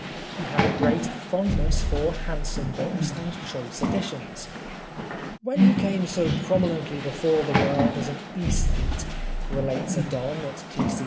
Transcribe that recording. He had a great fondness for handsome books and choice editions. " When he came so pro minently before the world as an aesthete/' relates a Don at T.